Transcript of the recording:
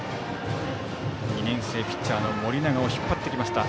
２年生ピッチャーの盛永を引っ張ってきました